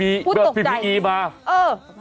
พูดตกใจพูดตกใจพี่บาเออ